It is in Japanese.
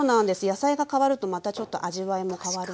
野菜が変わるとまたちょっと味わいも変わるので。